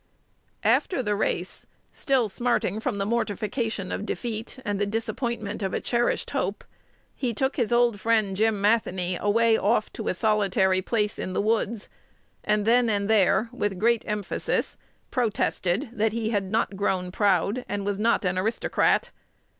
After the "race," still smarting from the mortification of defeat, and the disappointment of a cherished hope, he took his old friend Jim Matheny away off to a solitary place in the woods, "and then and there," "with great emphasis," protested that he had not grown proud, and was not an aristocrat.